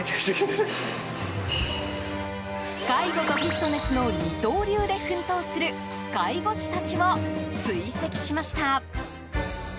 介護とフィットネスの二刀流で奮闘する介護士たちを追跡しました。